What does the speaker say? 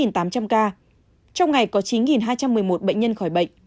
trong ngày có chín hai trăm một mươi một bệnh nhân khỏi bệnh